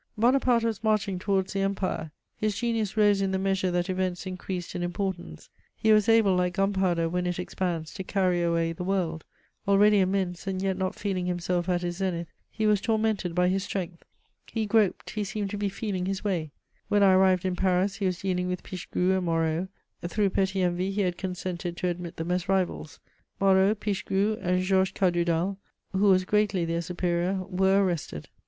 Bonaparte was marching towards the Empire; his genius rose in the measure that events increased in importance: he was able, like gunpowder when it expands, to carry away the world; already immense, and yet not feeling himself at his zenith, he was tormented by his strength; he groped, he seemed to be feeling his way; when I arrived in Paris he was dealing with Pichegru and Moreau; through petty envy he had consented to admit them as rivals: Moreau, Pichegru, and Georges Cadoudal, who was greatly their superior, were arrested.